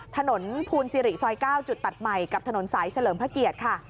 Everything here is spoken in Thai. ถนนภูนซิริซอย๙จุดตัดใหม่กับถนนสายเฉลิมพระเกียรติค่ะ